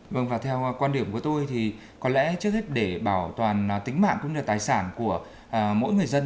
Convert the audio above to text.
vâng và theo quan điểm của tôi thì có lẽ trước hết để bảo toàn tính mạng cũng như tài sản của mỗi người dân